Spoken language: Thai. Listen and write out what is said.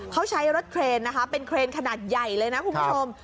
เขาใช้รถเครนนะคะเป็นเครนขนาดใหญ่เลยนะคุณผู้ชม